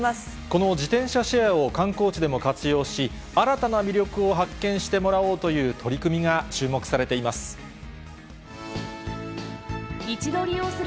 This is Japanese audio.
この自転車シェアを観光地でも活用し、新たな魅力を発見してもらおうという取り組みが注目されています。